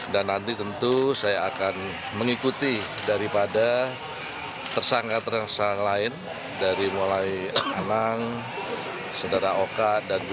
dan nanti tentu saya akan mengikuti daripada tersangka tersangka